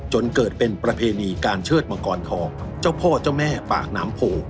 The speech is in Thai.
จนเกิดเป็นประเพณีการเชิดมังกรทองเจ้าพ่อเจ้าแม่ปากน้ำโพ